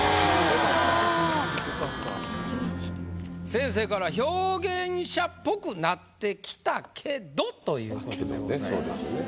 先生から「表現者っぽくなってきたけど」ということでございますが。